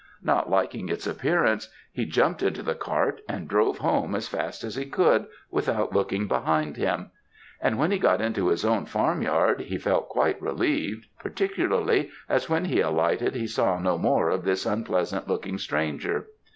Not liking its appearance, he jumped into the cart and drove home as fast as he could, without looking behind him; and when he got into his own farmyard he felt quite relieved, particularly, as when he alighted he saw no more of this unpleasant looking stranger.